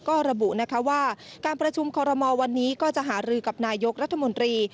ก็ระบุนะคะว่าการประชุมคอรมอลวันนี้ก็จะหารือกับนายกรัฐมนตรี